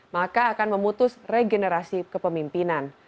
maka akan memutus regenerasi kepemimpinan